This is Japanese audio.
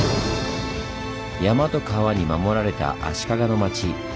山と川に守られた足利の町。